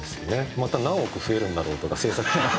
また何億増えるんだろう？とか制作費。